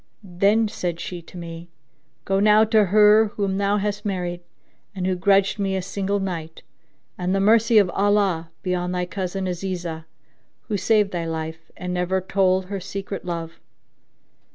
Then said she to me, "Go now to her whom thou hast married and who grudged me a single night, and the mercy of Allah be on thy cousin Azizah, who saved thy life and never told her secret love!